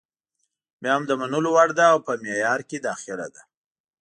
بیا هم د منلو وړ ده او په معیار کې داخله ده.